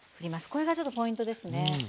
これがちょっとポイントですね。